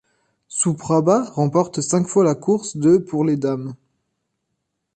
Suprabha remporte cinq fois la course de pour les dames.